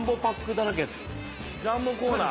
ジャンボコーナー。